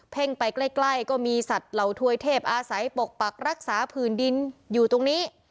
่งไปใกล้ก็มีสัตว์เหล่าถวยเทพอาศัยปกปักรักษาผืนดินอยู่ตรงนี้